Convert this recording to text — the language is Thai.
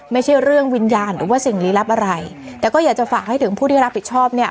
ไม่ใช่เรื่องวิญญาณหรือว่าสิ่งลี้ลับอะไรแต่ก็อยากจะฝากให้ถึงผู้ที่รับผิดชอบเนี่ย